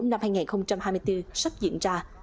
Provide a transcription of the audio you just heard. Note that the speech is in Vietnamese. năm hai nghìn hai mươi bốn sắp diễn ra